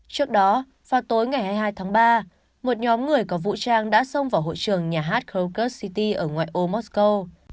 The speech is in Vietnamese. trước đó vào tối ngày hai mươi hai tháng ba một nhóm người có vũ trang đã xông vào hội trường nhà hát crocus city ở ngoài ô moscow